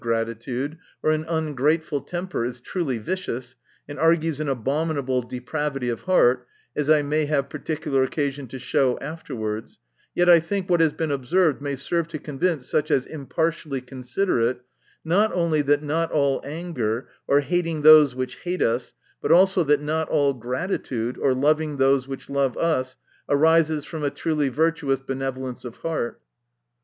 283 gratitude or an ungrateful temper, is truly vicious, and argues an abominable depravity of heart (as I may have particular occasion to show afterwards) yet, I think what has been observed, may serve to convince such as impartially consider it, not only that not all anger, or hating those who hate us, but also that not all gratitude, or loving those who love us, arises from a truly virtuous benevolence of heart.